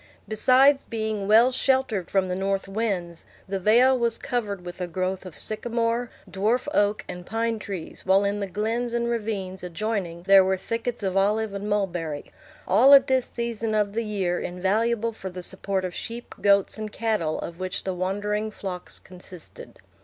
Besides being well sheltered from the north winds, the vale was covered with a growth of sycamore, dwarf oak, and pine trees, while in the glens and ravines adjoining there were thickets of olive and mulberry; all at this season of the year invaluable for the support of sheep, goats, and cattle, of which the wandering flocks consisted.